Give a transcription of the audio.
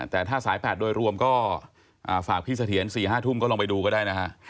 แต่ถ้าสาย๘โดยรวมก็ฝากพี่เสถียร๔๕ทุ่มก็ลองไปดูก็ได้นะฮะ